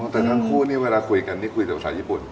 แต่ทั้งคู่เวลาคุยกันคุยเป็นภาษาญี่ปุ่น